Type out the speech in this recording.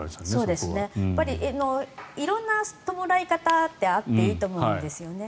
色んな弔い方があっていいと思うんですね。